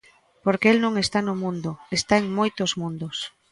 Porque el non está no mundo, está en moitos mundos.